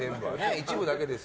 一部だけですよ。